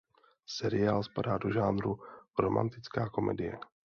Seriál spadá do žánru romantická komedie.